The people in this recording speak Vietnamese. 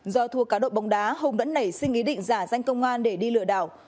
do thua cá đội bóng đá hùng đã nảy sinh ý định giả danh công an để đi lừa đảo